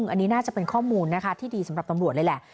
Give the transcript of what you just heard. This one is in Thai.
อันนี้น่าจะเป็นข้อมูลนะคะที่ดีสำหรับตำรวจเลยแหละ